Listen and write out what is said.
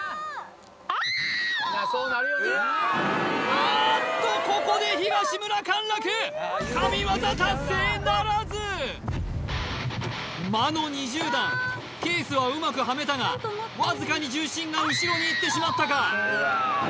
あーっとここで東村陥落神業達成ならず魔の２０段ケースはうまくハメたがわずかに重心が後ろにいってしまったか？